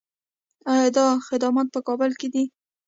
آیا دا خدمات په کابل کې دي؟